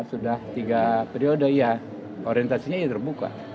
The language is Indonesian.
sudah tiga periode ya orientasinya terbuka